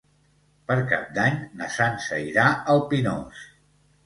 Per Cap d'Any na Sança irà al Pinós.